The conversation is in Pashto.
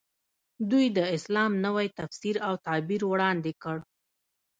دوی د اسلام نوی تفسیر او تعبیر وړاندې کړ.